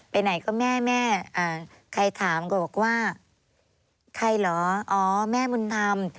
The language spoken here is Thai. ไปไหนก็แม่แม่ใครถามก็บอกว่าใครเหรออ๋อแม่บุญธรรม